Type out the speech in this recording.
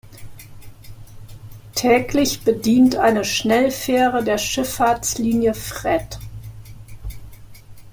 Täglich bedient eine Schnellfähre der Schifffahrtslinie Fred.